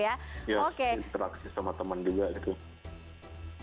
ya interaksi sama teman juga gitu